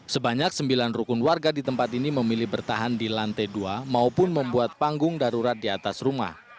sebanyak sembilan rukun warga di tempat ini memilih bertahan di lantai dua maupun membuat panggung darurat di atas rumah